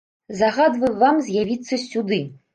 Загадваю вам з'явіцца сюды!